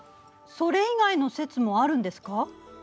それ以外の説もあるんですか？